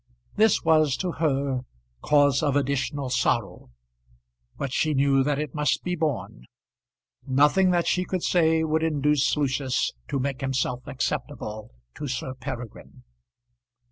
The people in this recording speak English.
This was to her cause of additional sorrow, but she knew that it must be borne. Nothing that she could say would induce Lucius to make himself acceptable to Sir Peregrine.